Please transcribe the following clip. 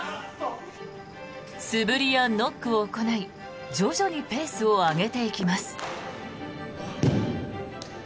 素振りやノックを行い徐々にペースを上げていきます。